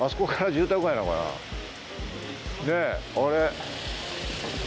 ねぇあれ。